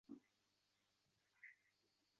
Quyosh behudaga chiqib har kuni